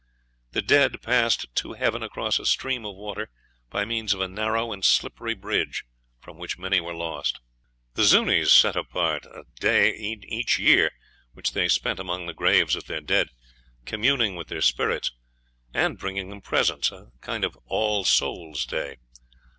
The dead passed to heaven across a stream of water by means of a narrow and slippery bridge, from which many were lost. The Zuñis set apart a day in each year which they spent among the graves of their dead, communing with their spirits, and bringing them presents a kind of All souls day.